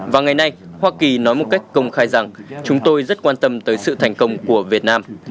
và ngày nay hoa kỳ nói một cách công khai rằng chúng tôi rất quan tâm tới sự thành công của việt nam